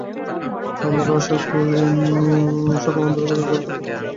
আমরা আশা করি, সরকার আন্দোলনকারীদের দাবির প্রতি যৌক্তিকভাবে সমর্থন দেবে।